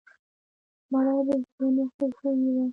مړه د زړونو خوشبويي وه